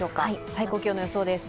最高気温の予想です。